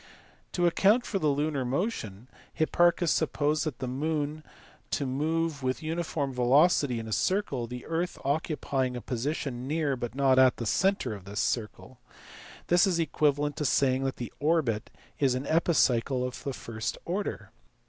To account for the lunar motion Hipparchus supposed the moon to move with uniform velocity in a circle, the earth occupying a position near (but not at) the centre of this circle. This is equivalent to saying that the orbit is an epicycle of the first order.